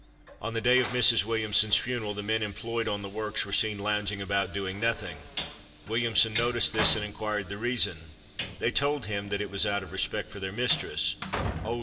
On the day of Mrs. Williamson's funeral, the men employed on the works were seen lounging about doing nothing. Williamson noticed this, and inquired the reason? They told him that it was out of respect for their mistress. "Oh!